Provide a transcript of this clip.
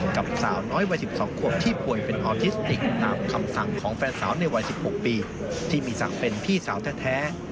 กับสาวน้อยวัย๑๒ขวบที่ป่วยเป็นออทิสติกตามคำสั่งของแฟนสาวในวัย๑๖ปีที่มีศักดิ์เป็นพี่สาวแท้